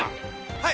はい！